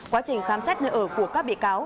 quá trình khám xét nơi ở của các bị cáo